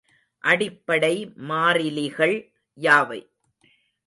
அடிப்படை மாறிலிகள் யாவை?